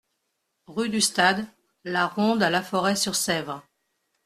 Rue du Stade . La Ronde à La Forêt-sur-Sèvre